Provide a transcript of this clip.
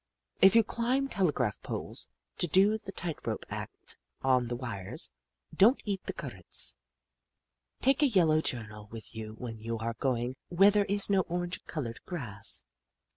" If you climb telegraph poles to do the tight rope act on the wires, don't eat the currents. *' Take a yellow journal with you when you are going where there is no orange coloured grass.